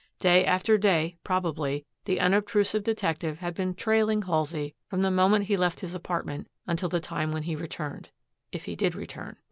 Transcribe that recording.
Day after day, probably, the unobtrusive detective had been trailing Halsey from the moment he left his apartment until the time when he returned, if he did return.